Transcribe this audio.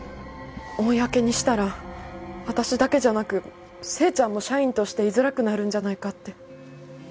公にしたら私だけじゃなく正ちゃんも社員として居づらくなるんじゃないかって。